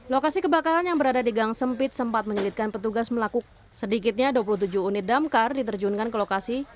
lokasi kebakaran yang berada di gang sempit sempat menyelitkan petugas sedikitnya dua puluh tujuh unit damkar diterjunkan ke lokasi